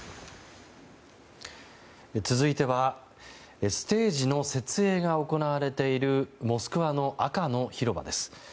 続いてはステージの設営が行われているモスクワの赤の広場です。